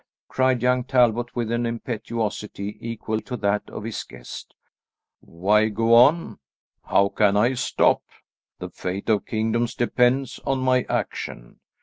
cried young Talbot with an impetuosity equal to that of his guest. "Why go on; how can I stop? The fate of kingdoms depends on my action.